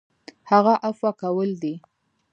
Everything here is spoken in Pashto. هغه عفوه کول دي .